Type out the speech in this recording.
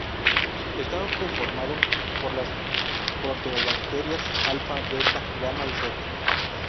Está conformado por las proteobacterias alpha, beta, gamma y zeta.